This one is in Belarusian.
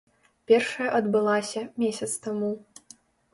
Першая адбылася месяц таму.